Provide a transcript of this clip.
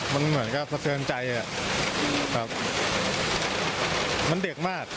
มันเหมือนกับสะเทือนใจอ่ะครับมันเด็กมาก